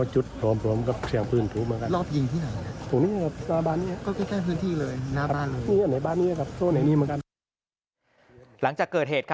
หลังจากเกิดเหตุ